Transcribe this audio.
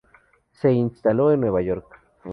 Se instaló en Nueva York.